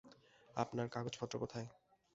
আপনার কাগজপত্র কোথায়?